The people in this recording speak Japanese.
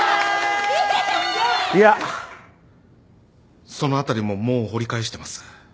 いやその辺りももう掘り返してます。